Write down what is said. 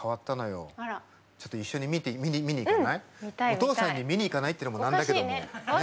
お父さんに見に行かないってのも何だけどね。